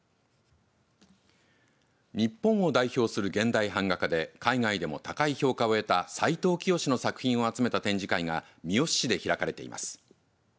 日本を代表する現代版画家で海外でも高い評価を得た斉藤清の作品を集めた展示会が三次市で開かれています。